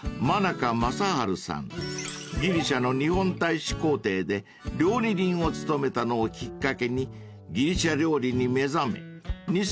［ギリシャの日本大使公邸で料理人を務めたのをきっかけにギリシャ料理に目覚め